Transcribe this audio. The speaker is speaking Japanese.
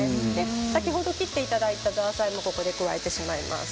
先ほど切っていただいたザーサイをここで加えてしまいます。